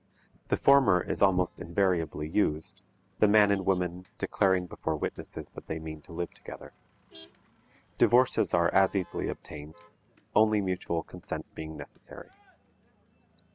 The former is almost invariably used, the man and woman declaring before witnesses that they mean to live together. Divorces are as easily obtained, only mutual consent being necessary.